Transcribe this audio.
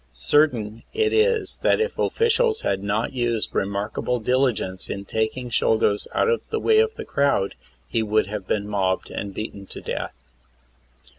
Certain it is that if the offipials had not used remarkable diligence in tak ing Czolgosz out of the way of the crowd he would have been mobbed and beaten to death.